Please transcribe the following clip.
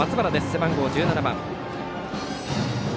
背番号１７番。